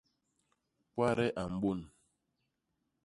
Kwade a mbôn.